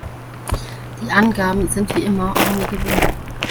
Die Angaben sind wie immer ohne Gewähr.